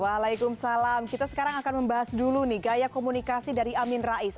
waalaikumsalam kita sekarang akan membahas dulu nih gaya komunikasi dari amin rais